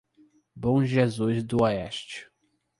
Bom Jesus do Oeste